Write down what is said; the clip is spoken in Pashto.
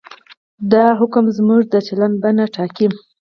دا حکم زموږ د چلند بڼه ټاکي.